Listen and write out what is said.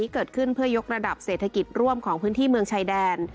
เกิดขึ้นเพื่อยกระดับเศรษฐกิจร่วมของพื้นที่เมืองชายแดน